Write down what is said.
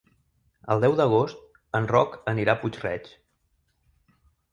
El deu d'agost en Roc anirà a Puig-reig.